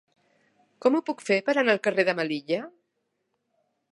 Com ho puc fer per anar al carrer de Melilla?